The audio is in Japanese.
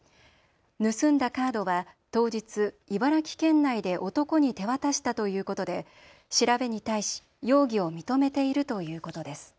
盗んだカードは当日茨城県内で男に手渡したということで調べに対し容疑を認めているということです。